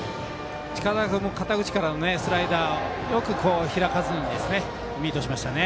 近澤君も肩口からのスライダーよく開かずにミートしましたね。